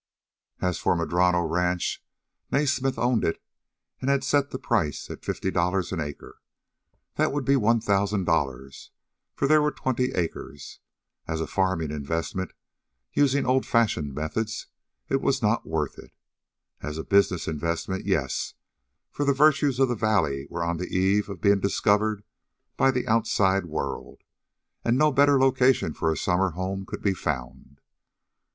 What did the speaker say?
As for Madrono Ranch, Naismith owned it and had set the price at fifty dollars an acre. That would be one thousand dollars, for there were twenty acres. As a farming investment, using old fashioned methods, it was not worth it. As a business investment, yes; for the virtues of the valley were on the eve of being discovered by the outside world, and no better location for a summer home could be found.